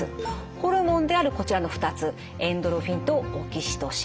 ホルモンであるこちらの２つエンドルフィンとオキシトシン。